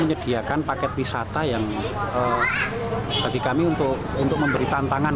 menyediakan paket wisata yang bagi kami untuk memberi tantangan